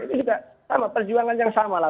ini juga sama perjuangan yang sama lah